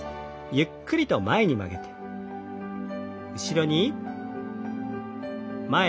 ゆっくりと前に曲げて後ろに。